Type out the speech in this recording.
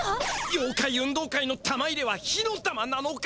ようかい運動会の玉入れは火の玉なのか！？